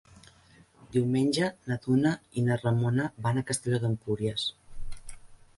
Diumenge na Duna i na Ramona van a Castelló d'Empúries.